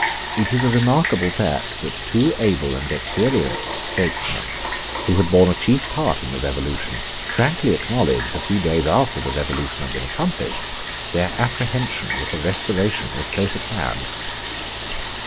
It is a remarkable fact that two able and experienced statesmen, who had borne a chief part in the Revolution, frankly acknowledged, a few days after the Revolution had been accomplished, their apprehension that a Restoration was close at hand.